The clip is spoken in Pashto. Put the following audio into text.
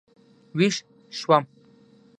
وېښ شوم.